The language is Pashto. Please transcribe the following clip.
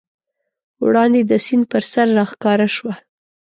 وړاندې د سیند پر سر راښکاره شوه.